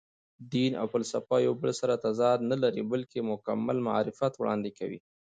دین او فلسفه یو بل سره تضاد نه لري، بلکې مکمل معرفت وړاندې کوي.